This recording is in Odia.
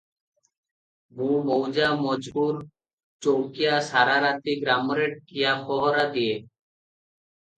ମୁଁ ମୌଜା ମଜକୁର ଚୌକିଆ, ସାରାରାତି ଗ୍ରାମରେ ଠିଆ ପହରା ଦିଏ ।